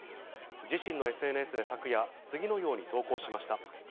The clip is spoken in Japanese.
自身のＳＮＳで昨夜、次のように投稿しました。